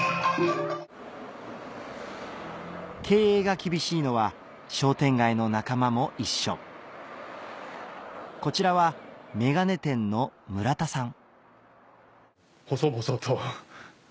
経営が厳しいのは商店街の仲間も一緒こちらはメガネ店の村田さん